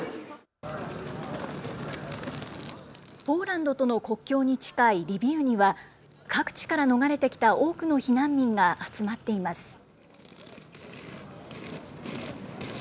ポーランドとの国境に近いリビウには各地から逃れてきた多くの避難民が集まっています。